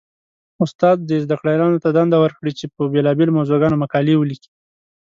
استاد دې زده کړيالانو ته دنده ورکړي؛ چې په بېلابېلو موضوعګانو مقالې وليکي.